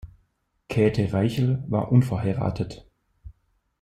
Käthe Reichel war unverheiratet.